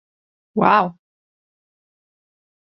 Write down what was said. Wow!